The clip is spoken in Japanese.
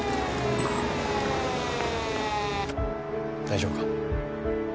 大丈夫か？